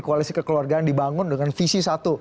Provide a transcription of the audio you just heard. koalisi kekeluargaan dibangun dengan visi satu